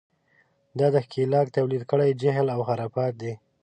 دا د ښکېلاک تولید کړی جهل و خرافات دي.